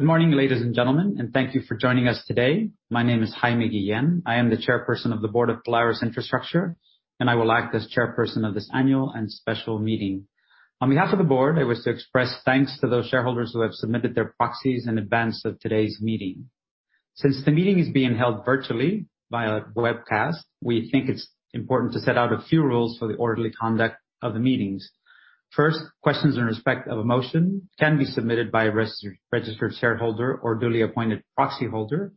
Good morning, ladies and gentlemen, thank you for joining us today. My name is Jaime Guillen. I am the Chairperson of the Board of Polaris Infrastructure, and I will act as Chairperson of this annual and special meeting. On behalf of the board, I wish to express thanks to those shareholders who have submitted their proxies in advance of today's meeting. Since the meeting is being held virtually via webcast, we think it's important to set out a few rules for the orderly conduct of the meetings. First, questions in respect of a motion can be submitted by a registered shareholder or duly appointed proxyholder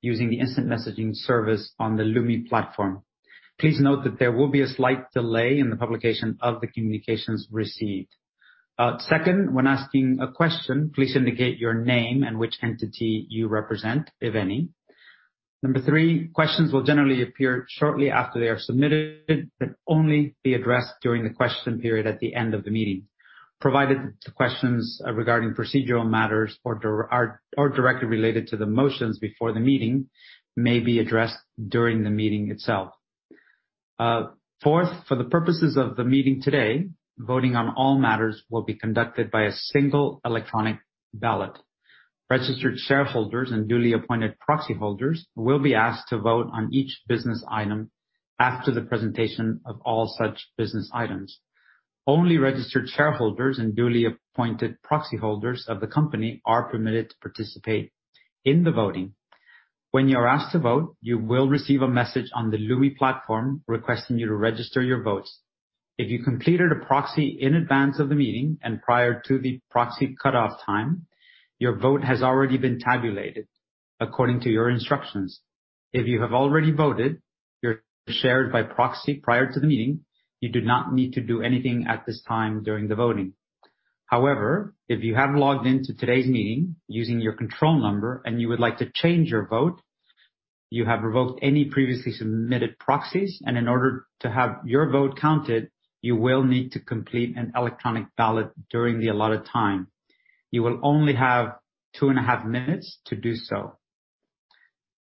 using the instant messaging service on the Lumi platform. Please note that there will be a slight delay in the publication of the communications received. Second, when asking a question, please indicate your name and which entity you represent, if any. Number three, questions will generally appear shortly after they are submitted, but only be addressed during the question period at the end of the meeting, provided the questions regarding procedural matters or directly related to the motions before the meeting may be addressed during the meeting itself. Fourth, for the purposes of the meeting today, voting on all matters will be conducted by a single electronic ballot. Registered shareholders and duly appointed proxyholders will be asked to vote on each business item after the presentation of all such business items. Only registered shareholders and duly appointed proxyholders of the company are permitted to participate in the voting. When you are asked to vote, you will receive a message on the Lumi platform requesting you to register your votes. If you completed a proxy in advance of the meeting and prior to the proxy cutoff time, your vote has already been tabulated according to your instructions. If you have already voted your shares by proxy prior to the meeting, you do not need to do anything at this time during the voting. If you have logged in to today's meeting using your control number and you would like to change your vote, you have revoked any previously submitted proxies, and in order to have your vote counted, you will need to complete an electronic ballot during the allotted time. You will only have two and a half minutes to do so.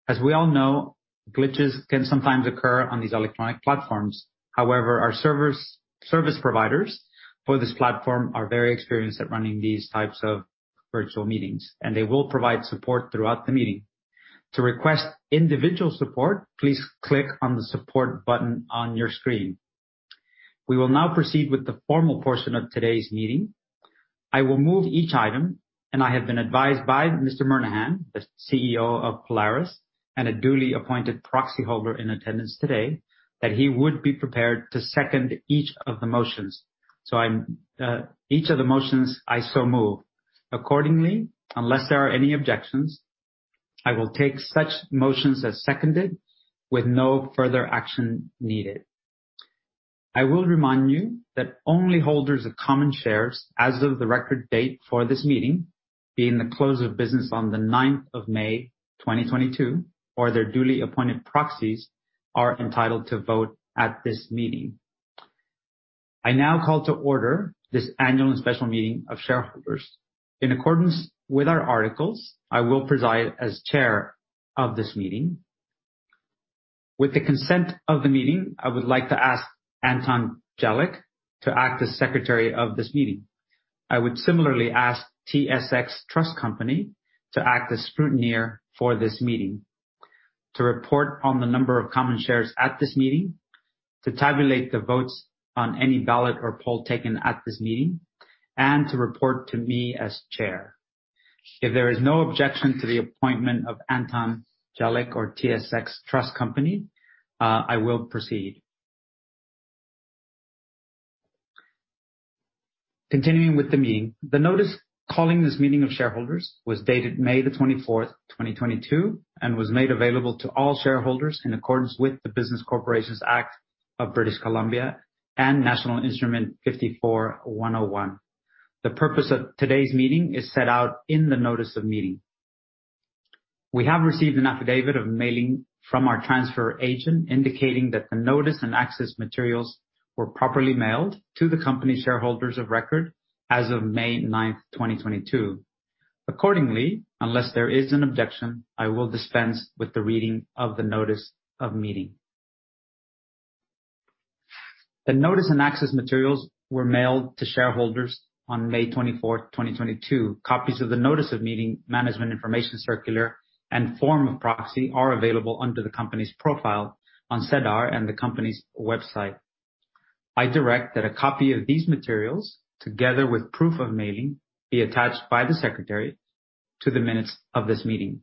As we all know, glitches can sometimes occur on these electronic platforms. Our service providers for this platform are very experienced at running these types of virtual meetings, and they will provide support throughout the meeting. To request individual support, please click on the support button on your screen. We will now proceed with the formal portion of today's meeting. I will move each item, and I have been advised by Mr. Murnaghan, the CEO of Polaris, and a duly appointed proxyholder in attendance today, that he would be prepared to second each of the motions. Each of the motions, I so move. Accordingly, unless there are any objections, I will take such motions as seconded with no further action needed. I will remind you that only holders of common shares as of the record date for this meeting, being the close of business on the 9th of May, 2022, or their duly appointed proxies, are entitled to vote at this meeting. I now call to order this annual and special meeting of shareholders. In accordance with our articles, I will preside as Chair of this meeting. With the consent of the meeting, I would like to ask Anton Jelic to act as Secretary of this meeting. I would similarly ask TSX Trust Company to act as Scrutineer for this meeting to report on the number of common shares at this meeting, to tabulate the votes on any ballot or poll taken at this meeting, and to report to me as Chair. If there is no objection to the appointment of Anton Jelic or TSX Trust Company, I will proceed. Continuing with the meeting. The notice calling this meeting of shareholders was dated May 24, 2022, and was made available to all shareholders in accordance with the Business Corporations Act of British Columbia and National Instrument 54-101. The purpose of today's meeting is set out in the notice of meeting. We have received an affidavit of mailing from our transfer agent indicating that the notice and access materials were properly mailed to the company shareholders of record as of May ninth, 2022. Accordingly, unless there is an objection, I will dispense with the reading of the notice of meeting. The notice and access materials were mailed to shareholders on May 24th, 2022. Copies of the notice of meeting, management information circular, and form of proxy are available under the company's profile on SEDAR and the company's website. I direct that a copy of these materials, together with proof of mailing, be attached by the secretary to the minutes of this meeting.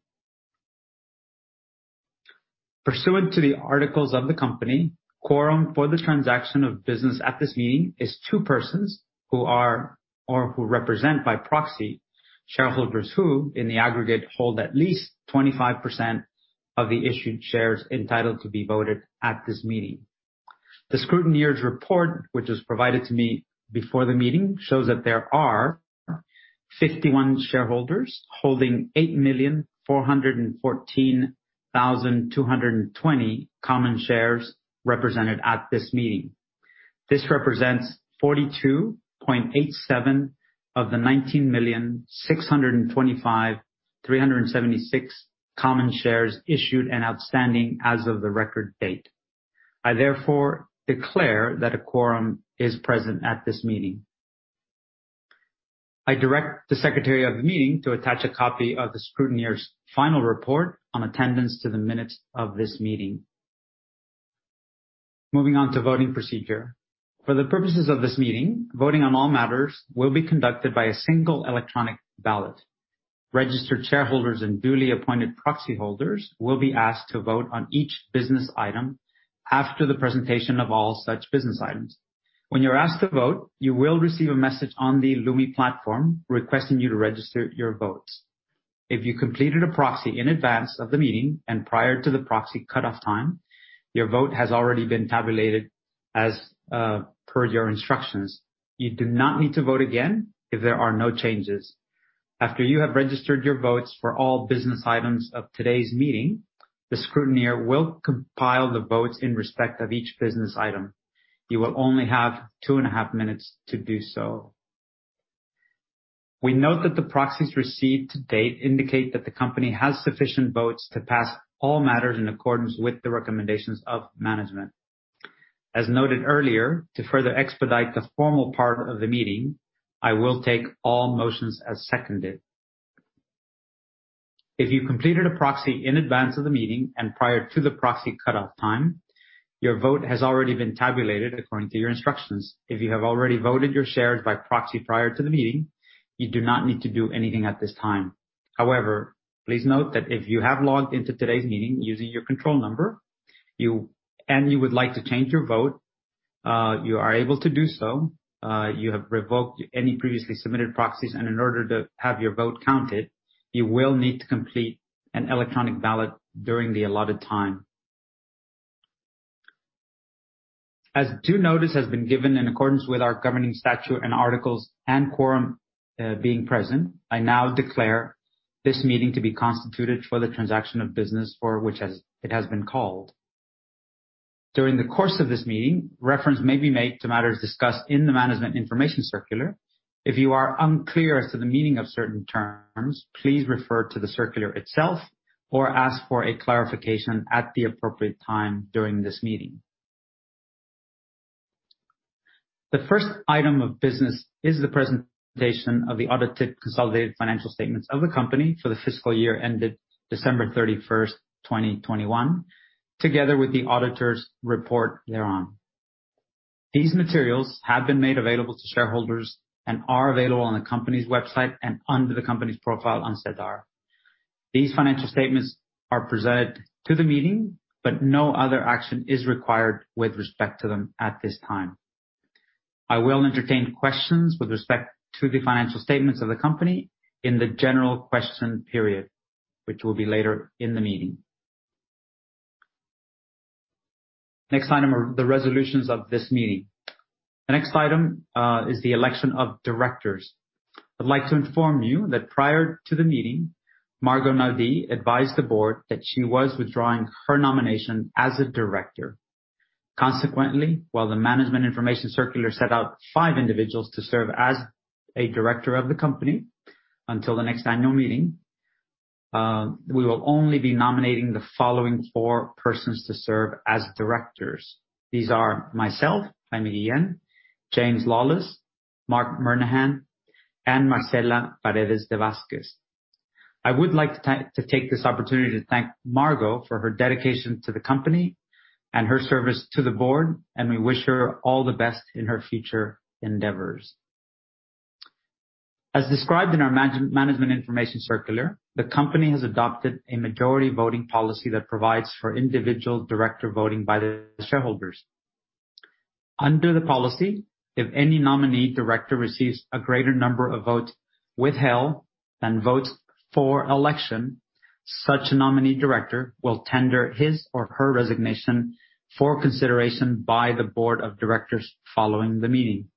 Pursuant to the articles of the company, quorum for the transaction of business at this meeting is two persons who are, or who represent by proxy, shareholders who, in the aggregate, hold at least 25% of the issued shares entitled to be voted at this meeting. The scrutineer's report, which was provided to me before the meeting, shows that there are 51 shareholders holding 8,414,220 common shares represented at this meeting. This represents 42.87% of the 19,625,376 common shares issued and outstanding as of the record date. I therefore declare that a quorum is present at this meeting. I direct the secretary of the meeting to attach a copy of the scrutineer's final report on attendance to the minutes of this meeting. Moving on to voting procedure. For the purposes of this meeting, voting on all matters will be conducted by a single electronic ballot. Registered shareholders and duly appointed proxy holders will be asked to vote on each business item, after the presentation of all such business items. When you're asked to vote, you will receive a message on the Lumi platform requesting you to register your votes. If you completed a proxy in advance of the meeting and prior to the proxy cutoff time, your vote has already been tabulated as per your instructions. You do not need to vote again if there are no changes. After you have registered your votes for all business items of today's meeting, the scrutineer will compile the votes in respect of each business item. You will only have two and a half minutes to do so. We note that the proxies received to date indicate that the company has sufficient votes to pass all matters in accordance with the recommendations of management. As noted earlier, to further expedite the formal part of the meeting, I will take all motions as seconded. If you completed a proxy in advance of the meeting and prior to the proxy cutoff time, your vote has already been tabulated according to your instructions. If you have already voted your shares by proxy prior to the meeting, you do not need to do anything at this time. However, please note that if you have logged into today's meeting using your control number, and you would like to change your vote, you are able to do so. You have revoked any previously submitted proxies, and in order to have your vote counted, you will need to complete an electronic ballot during the allotted time. As due notice has been given in accordance with our governing statute and articles, and quorum being present, I now declare this meeting to be constituted for the transaction of business for which it has been called. During the course of this meeting, reference may be made to matters discussed in the management information circular. If you are unclear as to the meaning of certain terms, please refer to the circular itself, or ask for a clarification at the appropriate time during this meeting. The first item of business is the presentation of the audited consolidated financial statements of the company for the fiscal year ended December 31st, 2021, together with the auditor's report thereon. These materials have been made available to shareholders and are available on the company's website and under the company's profile on SEDAR. These financial statements are presented to the meeting, but no other action is required with respect to them at this time. I will entertain questions with respect to the financial statements of the company in the general question period, which will be later in the meeting. Next item are the resolutions of this meeting. The next item is the election of Directors. I'd like to inform you that prior to the meeting, Margot Naudie advised the board that she was withdrawing her nomination as a Director. Consequently, while the management information circular set out five individuals to serve as a Director of the company until the next annual meeting, we will only be nominating the following four persons to serve as Directors. These are myself, Jaime Guillen, James Lawless, Marc Murnaghan, and Marcela Paredes de Vásquez. I would like to take this opportunity to thank Margot for her dedication to the company and her service to the board, and we wish her all the best in her future endeavors. As described in our management information circular, the company has adopted a majority voting policy that provides for individual Director voting by the shareholders. Under the policy, if any nominee Director receives a greater number of votes withheld than votes for election, such nominee Director will tender his or her resignation for consideration by the board of Directors following the meeting.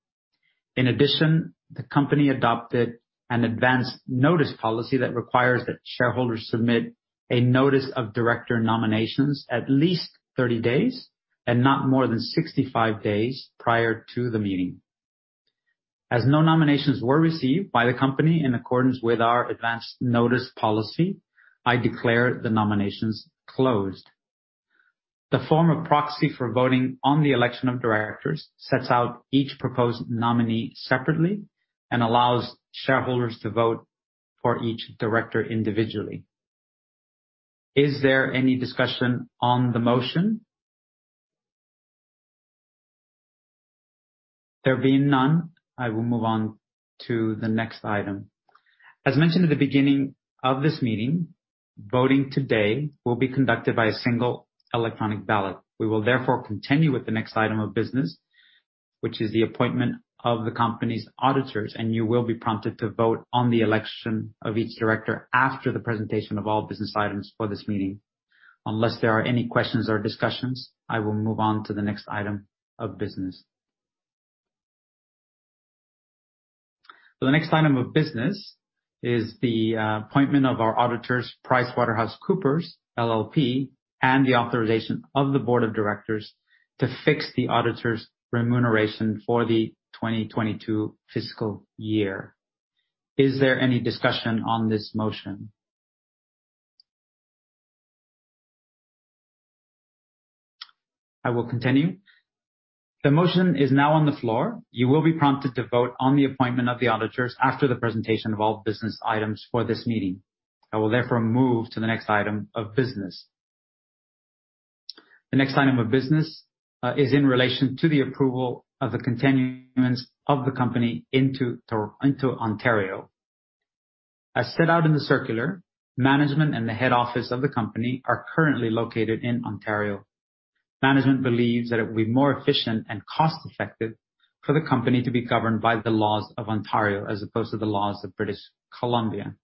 In addition, the company adopted an advanced notice policy that requires that shareholders submit a notice of Director nominations at least 30 days and not more than 65 days prior to the meeting. As no nominations were received by the company in accordance with our advanced notice policy, I declare the nominations closed. The form of proxy for voting on the election of Directors sets out each proposed nominee separately and allows shareholders to vote for each Director individually. Is there any discussion on the motion? There being none, I will move on to the next item. As mentioned at the beginning of this meeting, voting today will be conducted by a single electronic ballot. We will therefore continue with the next item of business, which is the appointment of the company's auditors, and you will be prompted to vote on the election of each Director after the presentation of all business items for this meeting. Unless there are any questions or discussions, I will move on to the next item of business. For the next item of business is the appointment of our auditors, PricewaterhouseCoopers LLP, and the authorization of the board of Directors to fix the auditors' remuneration for the 2022 fiscal year. Is there any discussion on this motion? I will continue. The motion is now on the floor. You will be prompted to vote on the appointment of the auditors after the presentation of all business items for this meeting. I will therefore move to the next item of business. The next item of business is in relation to the approval of the continuance of the company into Ontario. As set out in the circular, management and the head office of the company are currently located in Ontario. Management believes that it will be more efficient and cost-effective for the company to be governed by the laws of Ontario as opposed to the laws of British Columbia.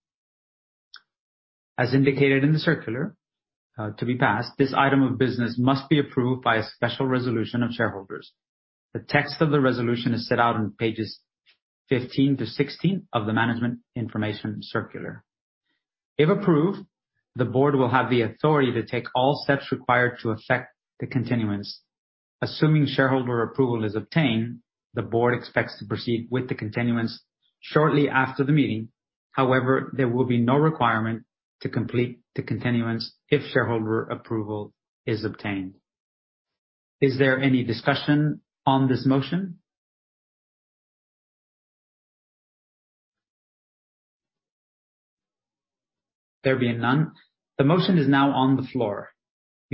As indicated in the circular, to be passed, this item of business must be approved by a special resolution of shareholders. The text of the resolution is set out on pages 15 to 16 of the management information circular. If approved, the board will have the authority to take all steps required to effect the continuance. Assuming shareholder approval is obtained, the board expects to proceed with the continuance shortly after the meeting. However, there will be no requirement to complete the continuance if shareholder approval is obtained. Is there any discussion on this motion? There being none, the motion is now on the floor.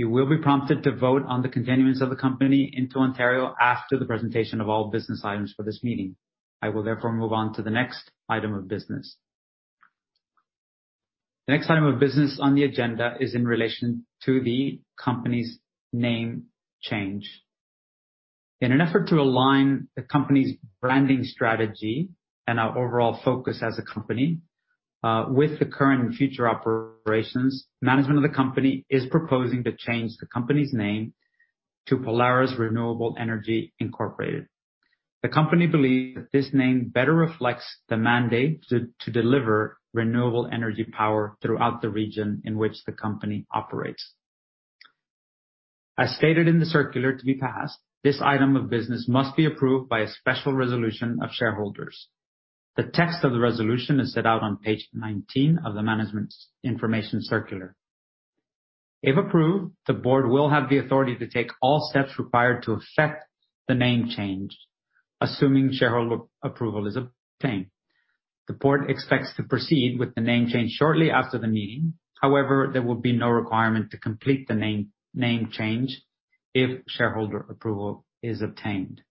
You will be prompted to vote on the continuance of the company into Ontario after the presentation of all business items for this meeting. I will therefore move on to the next item of business. The next item of business on the agenda is in relation to the company's name change. In an effort to align the company's branding strategy and our overall focus as a company with the current and future operations, management of the company is proposing to change the company's name to Polaris Renewable Energy Inc. The company believes that this name better reflects the mandate to deliver renewable energy power throughout the region in which the company operates. As stated in the circular to be passed, this item of business must be approved by a special resolution of shareholders. The text of the resolution is set out on page 19 of the management's information circular. If approved, the board will have the authority to take all steps required to effect the name change, assuming shareholder approval is obtained. The board expects to proceed with the name change shortly after the meeting. However, there will be no requirement to complete the name change if shareholder approval is obtained.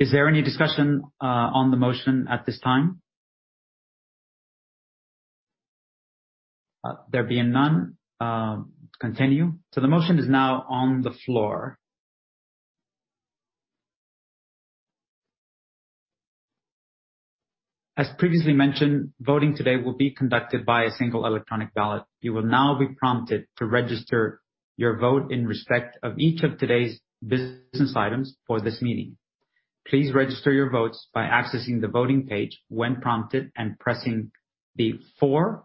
Is there any discussion on the motion at this time? There being none, continue. The motion is now on the floor. As previously mentioned, voting today will be conducted by a single electronic ballot. You will now be prompted to register your vote in respect of each of today's business items for this meeting. Please register your votes by accessing the voting page when prompted and pressing the For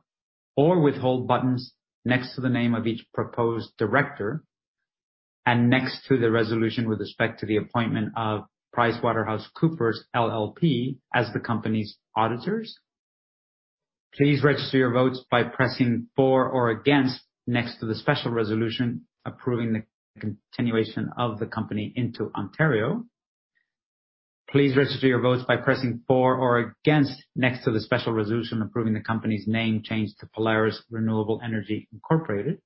or Withhold buttons next to the name of each proposed Director and next to the resolution with respect to the appointment of PricewaterhouseCoopers LLP as the company's auditors. Please register your votes by pressing For or Against next to the special resolution approving the continuation of the company into Ontario. Please register your votes by pressing For or Against next to the special resolution approving the company's name change to Polaris Renewable Energy, Incorporated.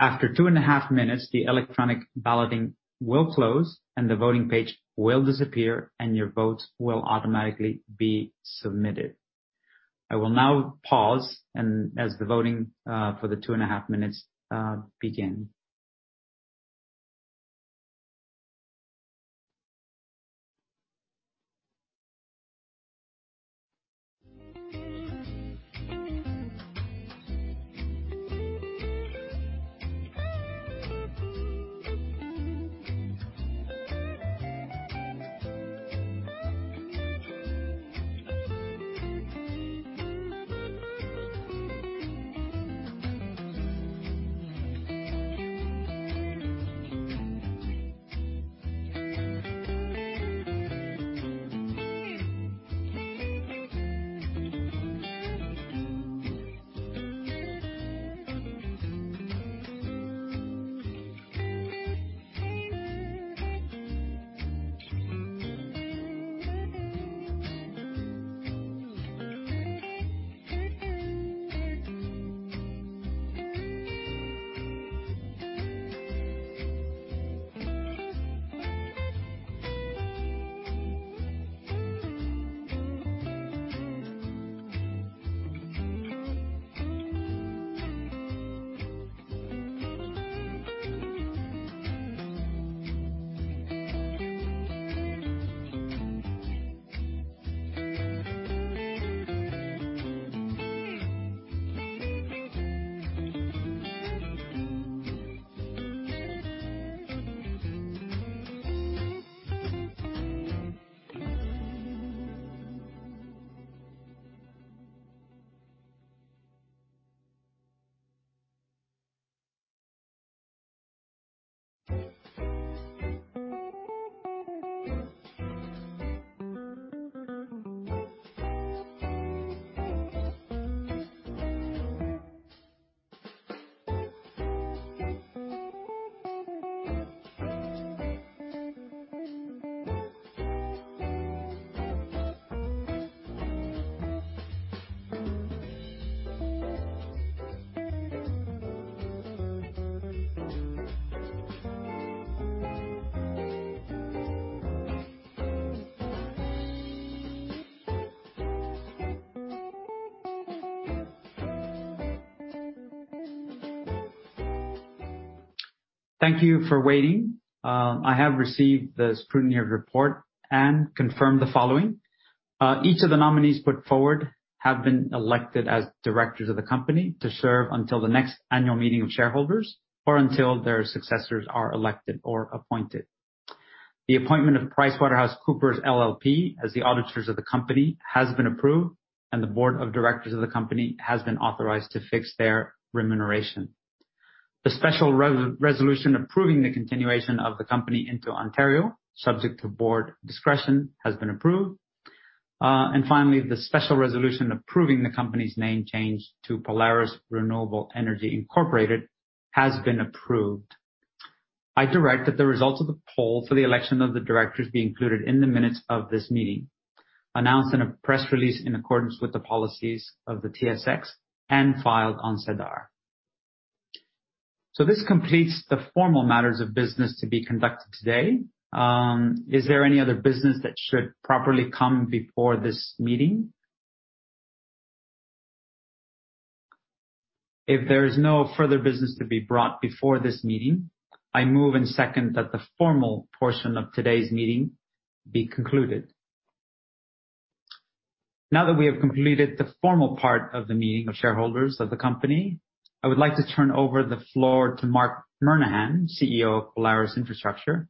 After two and a half minutes, the electronic balloting will close, and the voting page will disappear, and your votes will automatically be submitted. I will now pause as the voting for the two and a half minutes begin. Thank you for waiting. I have received the scrutineer report and confirm the following. Each of the nominees put forward have been elected as Directors of the company to serve until the next annual meeting of shareholders, or until their successors are elected or appointed. The appointment of PricewaterhouseCoopers LLP as the auditors of the company has been approved, and the board of Directors of the company has been authorized to fix their remuneration. The special resolution approving the continuation of the company into Ontario, subject to board discretion, has been approved. Finally, the special resolution approving the company's name change to Polaris Renewable Energy Incorporated has been approved. I direct that the results of the poll for the election of the Directors be included in the minutes of this meeting, announced in a press release in accordance with the policies of the TSX, and filed on SEDAR. This completes the formal matters of business to be conducted today. Is there any other business that should properly come before this meeting? If there is no further business to be brought before this meeting, I move and second that the formal portion of today's meeting be concluded. Now that we have completed the formal part of the meeting of shareholders of the company, I would like to turn over the floor to Marc Murnaghan, CEO of Polaris Infrastructure,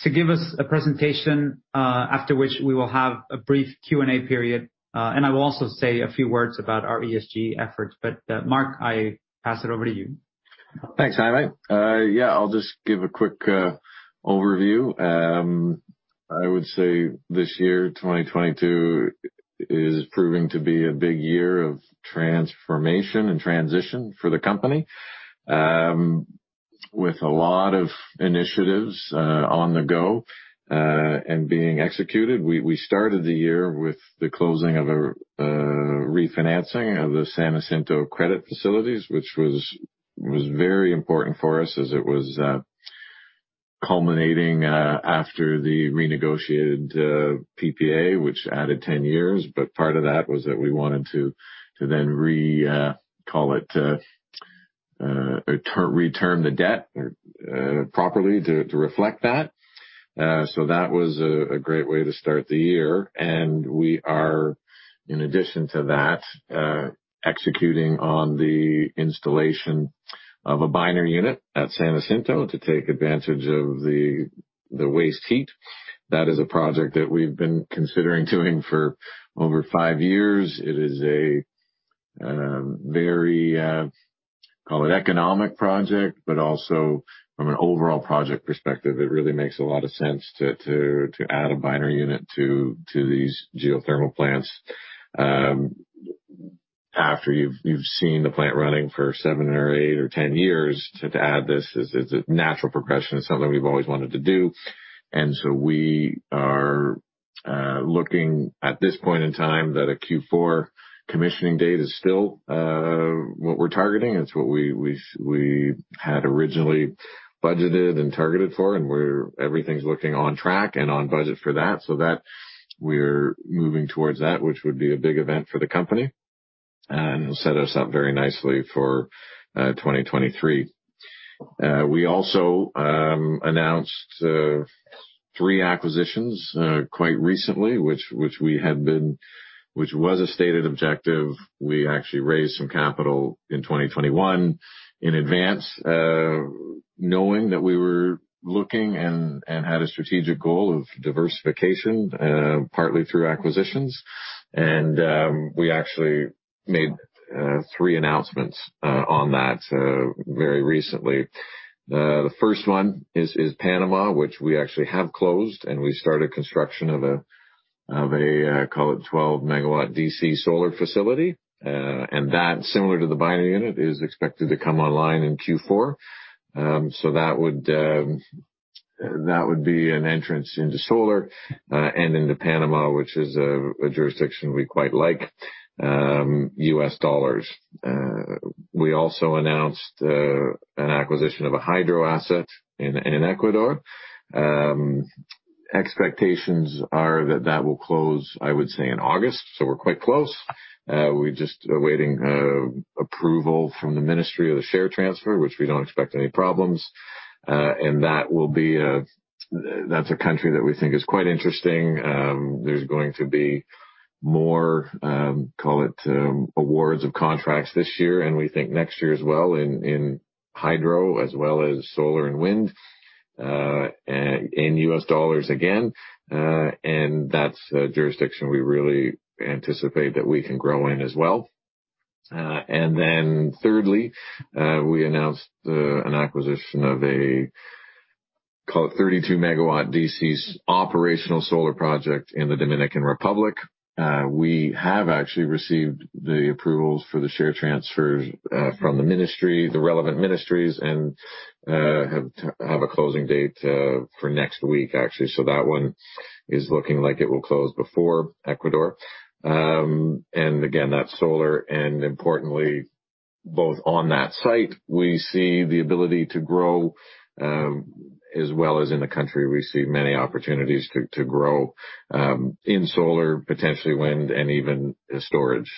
to give us a presentation, after which we will have a brief Q&A period. I will also say a few words about our ESG efforts. Marc, I pass it over to you. Thanks, Jaime. I'll just give a quick overview. I would say this year, 2022, is proving to be a big year of transformation and transition for the company, with a lot of initiatives on the go and being executed. We started the year with the closing of a refinancing of the San Jacinto credit facilities, which was very important for us as it was culminating after the renegotiated PPA, which added 10 years. Part of that was that we wanted to then re-term the debt properly to reflect that. That was a great way to start the year. We are, in addition to that, executing on the installation of a binary unit at San Jacinto to take advantage of the waste heat. That is a project that we've been considering doing for over five years. It is a very, call it economic project, but also from an overall project perspective, it really makes a lot of sense to add a binary unit to these geothermal plants. After you've seen the plant running for seven or eight or 10 years, to add this is a natural progression. It's something we've always wanted to do. We are looking at this point in time that a Q4 commissioning date is still what we're targeting. It's what we had originally budgeted and targeted for, and everything's looking on track and on budget for that. That we're moving towards that, which would be a big event for the company and set us up very nicely for 2023. We also announced three acquisitions quite recently, which was a stated objective. We actually raised some capital in 2021 in advance, knowing that we were looking and had a strategic goal of diversification, partly through acquisitions. We actually made three announcements on that very recently. The first one is Panama, which we actually have closed, and we started construction of a, call it 12-MW DC solar facility. That, similar to the binary unit, is expected to come online in Q4. That would be an entrance into solar, and into Panama, which is a jurisdiction we quite like, U.S. dollars. We also announced an acquisition of a hydro asset in Ecuador. Expectations are that that will close, I would say, in August, so we're quite close. We're just awaiting approval from the ministry of the share transfer, which we don't expect any problems. That's a country that we think is quite interesting. There's going to be more, call it awards of contracts this year, and we think next year as well in hydro as well as solar and wind, in U.S. dollars again. That's a jurisdiction we really anticipate that we can grow in as well. Then thirdly, we announced an acquisition of a 32-MW DC operational solar project in the Dominican Republic. We have actually received the approvals for the share transfers from the relevant ministries and have a closing date for next week, actually. That one is looking like it will close before Ecuador. Again, that's solar, and importantly, both on that site, we see the ability to grow, as well as in the country, we see many opportunities to grow in solar, potentially wind, and even storage.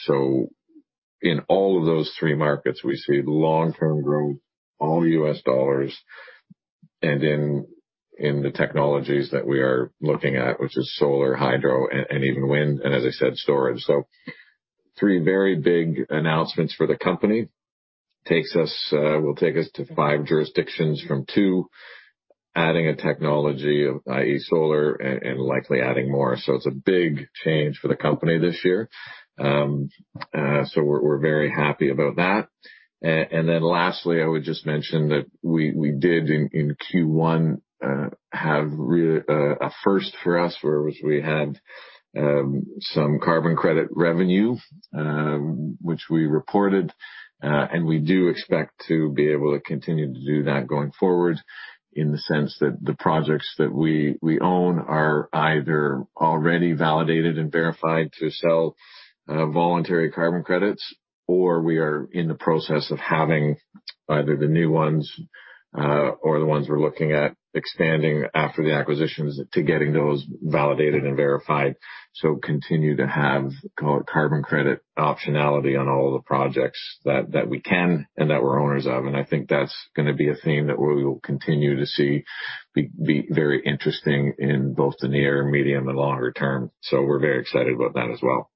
In all of those three markets, we see long-term growth, all U.S. dollars, and in the technologies that we are looking at, which is solar, hydro, and even wind, and as I said, storage. Three very big announcements for the company. Will take us to five jurisdictions from two, adding a technology, i.e., solar, and likely adding more. It's a big change for the company this year. We're very happy about that. Lastly, I would just mention that we did in Q1 have a first for us, where we had some carbon credit revenue, which we reported. We do expect to be able to continue to do that going forward in the sense that the projects that we own are either already validated and verified to sell voluntary carbon credits, or we are in the process of having either the new ones or the ones we're looking at expanding after the acquisitions to getting those validated and verified. Continue to have carbon credit optionality on all the projects that we can and that we're owners of. I think that's going to be a theme that we will continue to see be very interesting in both the near, medium, and longer term. We're very excited about that as well.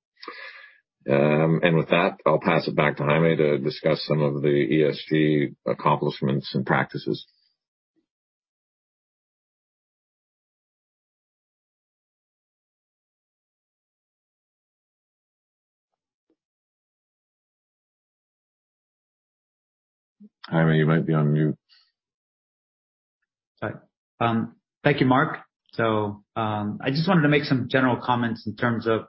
With that, I'll pass it back to Jaime to discuss some of the ESG accomplishments and practices. Jaime, you might be on mute. Sorry. Thank you, Marc. I just wanted to make some general comments in terms of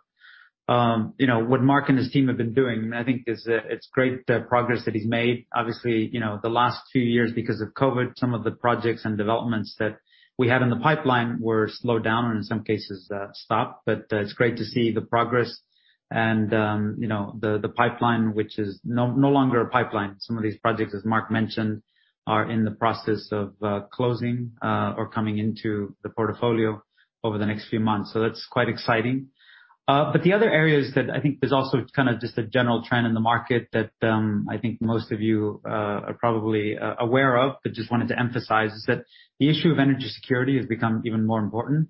what Marc and his team have been doing. I think it's great the progress that he's made. Obviously, the last few years because of COVID, some of the projects and developments that we had in the pipeline were slowed down or in some cases stopped. It's great to see the progress and the pipeline, which is no longer a pipeline. Some of these projects, as Marc mentioned, are in the process of closing or coming into the portfolio over the next few months. That's quite exciting. The other areas that I think there's also kind of just a general trend in the market that I think most of you are probably aware of, just wanted to emphasize, is that the issue of energy security has become even more important.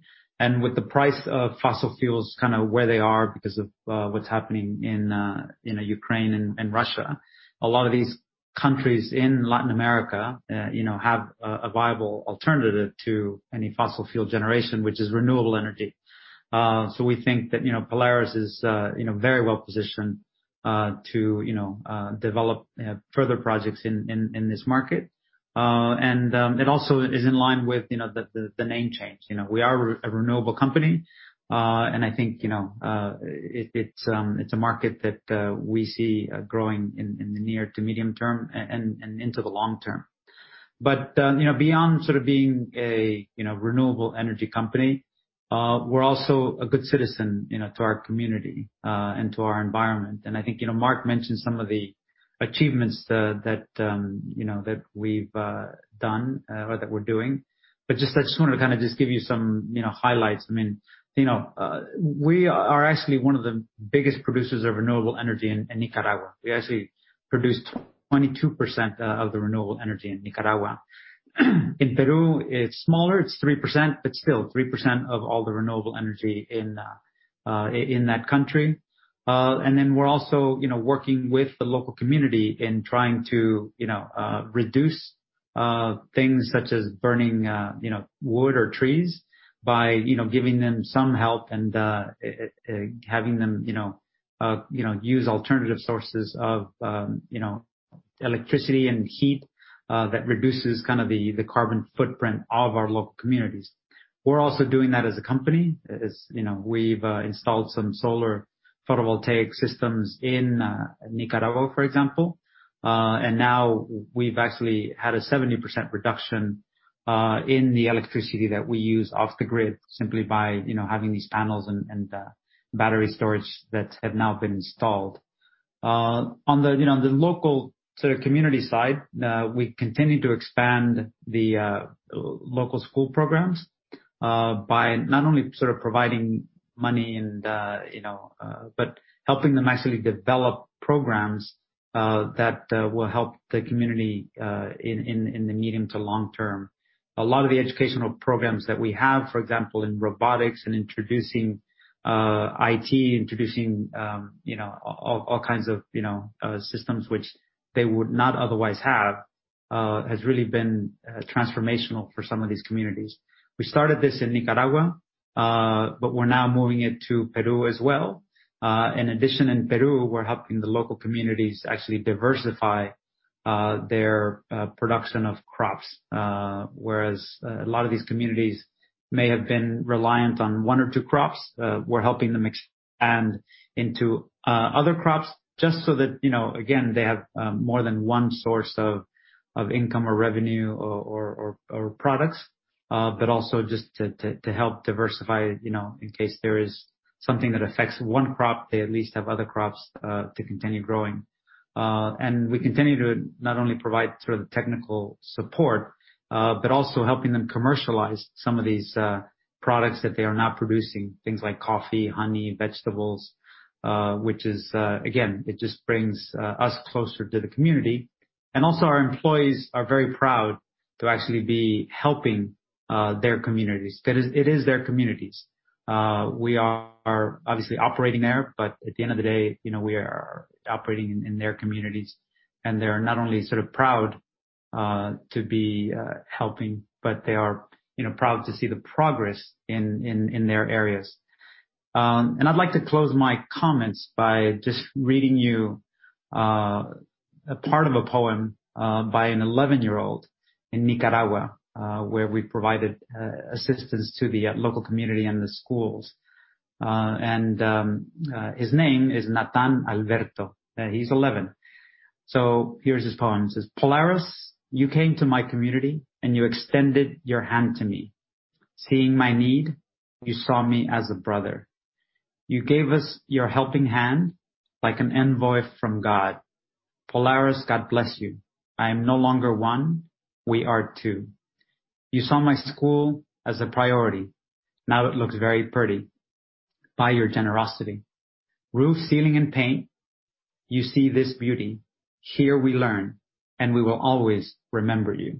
With the price of fossil fuels kind of where they are because of what's happening in Ukraine and Russia, a lot of these countries in Latin America have a viable alternative to any fossil fuel generation, which is renewable energy. We think that Polaris is very well-positioned to develop further projects in this market. It also is in line with the name change. We are a renewable company, and I think it's a market that we see growing in the near to medium term and into the long term. Beyond being a renewable energy company, we're also a good citizen to our community and to our environment. I think Marc Murnaghan mentioned some of the achievements that we've done or that we're doing. I just wanted to give you some highlights. We are actually one of the biggest producers of renewable energy in Nicaragua. We actually produce 22% of the renewable energy in Nicaragua. In Peru, it's smaller, it's 3%, but still 3% of all the renewable energy in that country. We're also working with the local community in trying to reduce things such as burning wood or trees by giving them some help and having them use alternative sources of electricity and heat that reduces the carbon footprint of our local communities. We're also doing that as a company, as we've installed some solar photovoltaic systems in Nicaragua, for example. We've actually had a 70% reduction in the electricity that we use off the grid simply by having these panels and battery storage that have now been installed. On the local community side, we continue to expand the local school programs by not only providing money but helping them actually develop programs that will help the community in the medium to long term. A lot of the educational programs that we have, for example, in robotics and introducing IT, introducing all kinds of systems which they would not otherwise have. Has really been transformational for some of these communities. We started this in Nicaragua, but we're now moving it to Peru as well. In addition, in Peru, we're helping the local communities actually diversify their production of crops. Whereas a lot of these communities may have been reliant on one or two crops, we're helping them expand into other crops just so that, again, they have more than one source of income or revenue or products. Also just to help diversify, in case there is something that affects one crop, they at least have other crops to continue growing. We continue to not only provide sort of the technical support, but also helping them commercialize some of these products that they are now producing. Things like coffee, honey, vegetables, which is, again, it just brings us closer to the community. Also our employees are very proud to actually be helping their communities, because it is their communities. We are obviously operating there, but at the end of the day, we are operating in their communities, and they're not only sort of proud to be helping, but they are proud to see the progress in their areas. I'd like to close my comments by just reading you a part of a poem by an 11-year-old in Nicaragua, where we provided assistance to the local community and the schools. His name is Natan Alberto. He's 11. Here is his poem. It says, "Polaris, you came to my community, and you extended your hand to me. Seeing my need, you saw me as a brother. You gave us your helping hand, like an envoy from God. Polaris, God bless you. I am no longer one, we are two. You saw my school as a priority. Now it looks very pretty, by your generosity. Roof, ceiling, and paint. You see this beauty. Here we learn, and we will always remember you."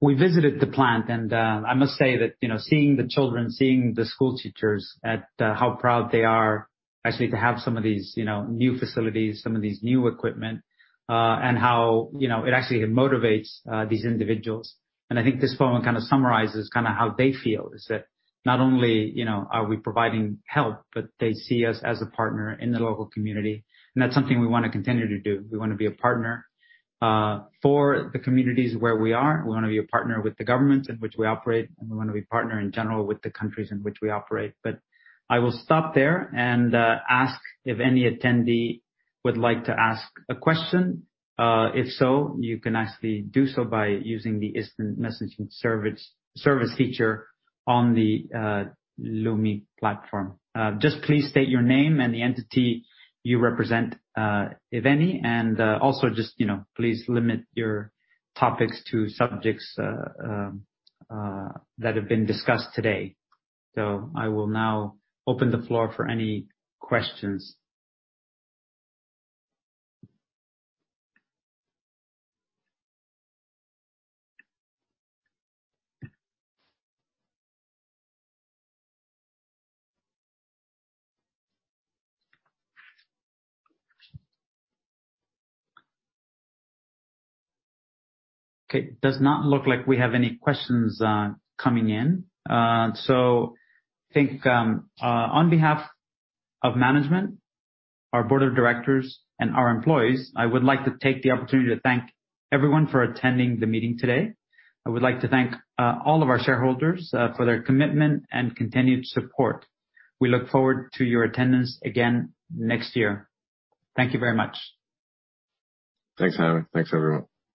We visited the plant, I must say that seeing the children, seeing the school teachers at how proud they are actually to have some of these new facilities, some of these new equipment, and how it actually motivates these individuals. I think this poem kind of summarizes how they feel. Is that not only are we providing help, but they see us as a partner in the local community, and that's something we want to continue to do. We want to be a partner for the communities where we are. We want to be a partner with the governments in which we operate, and we want to be partner in general with the countries in which we operate. I will stop there and ask if any attendee would like to ask a question. If so, you can actually do so by using the instant messaging service feature on the Lumi platform. Just please state your name and the entity you represent, if any, and also just please limit your topics to subjects that have been discussed today. I will now open the floor for any questions. Okay. Does not look like we have any questions coming in. I think on behalf of management, our board of Directors, and our employees, I would like to take the opportunity to thank everyone for attending the meeting today. I would like to thank all of our shareholders for their commitment and continued support. We look forward to your attendance again next year. Thank you very much. Thanks, Jaime. Thanks, everyone.